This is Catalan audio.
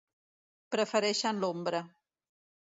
Prefereixen l'ombra.